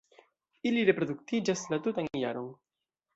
Ili reproduktiĝas la tutan jaron.